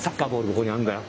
ここにあるんだよ。